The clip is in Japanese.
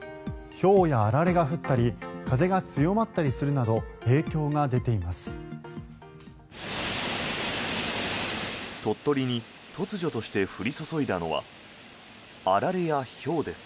ひょうやあられが降ったり風が強まったりするなど影響が出ています。